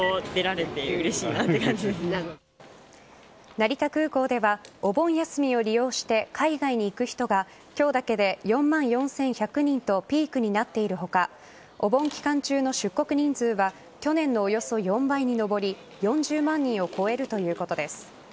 成田空港ではお盆休みを利用して海外に行く人が今日だけで４万４１００人とピークになっている他お盆期間中の出国人数は去年のおよそ４倍に上り４０万人を超えるということです。